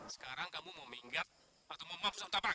sekarang kamu mau minggat atau mau mampus otaprak